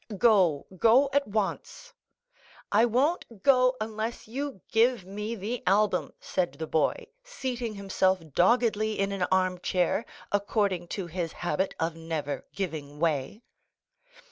"Go—go at once." "I won't go unless you give me the album," said the boy, seating himself doggedly in an armchair, according to his habit of never giving way.